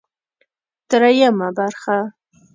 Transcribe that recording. درېيمه برخه